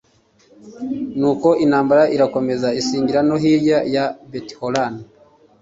nuko intambara irakomeza isingira no hirya ya betihoroni